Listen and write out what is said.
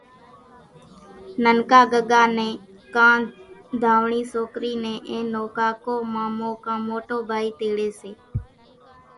ننڪا ڳڳا نين ڪان ڌاوڻي سوڪري نين اين نو ڪاڪو مامو ڪان موٽو ڀائي تيڙي سي